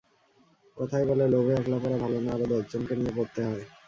কথায় বলে, লোভে একলা পড়া ভালো না, আরও দশজনকে নিয়ে পড়তে হয়।